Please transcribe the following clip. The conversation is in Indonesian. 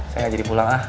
saya gak jadi pulang ah